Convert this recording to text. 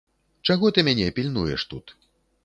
Чаго ты мяне пільнуеш тут?